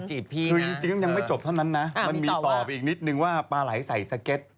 คือจริงมันยังไม่จบเท่านั้นนะมันมีต่อไปอีกนิดนึงว่าปลาไหลใส่สเก็ต